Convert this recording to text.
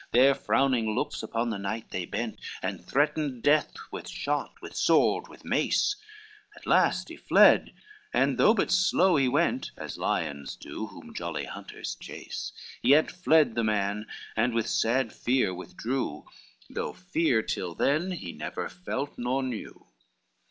Their frowning looks upon the knight they bent, And threatened death with shot, with sword and mace: At last he fled, and though but slow he went, As lions do whom jolly hunters chase; Yet fled the man and with sad fear withdrew, Though fear till then he never felt nor knew.